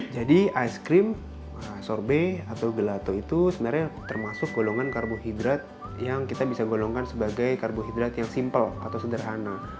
ice cream sorbet atau gelato itu sebenarnya termasuk golongan karbohidrat yang kita bisa golongkan sebagai karbohidrat yang simple atau sederhana